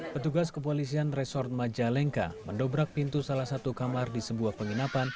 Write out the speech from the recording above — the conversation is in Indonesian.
petugas kepolisian resort majalengka mendobrak pintu salah satu kamar di sebuah penginapan